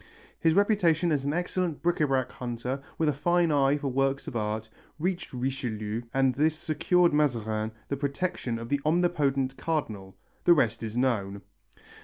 His reputation as an excellent bric à brac hunter, with a fine eye for works of art, reached Richelieu and this secured to Mazarin the protection of the omnipotent Cardinal; the rest is known.